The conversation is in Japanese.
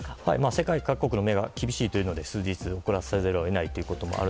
世界各国の目は厳しいというので数日遅らせざるを得ないと。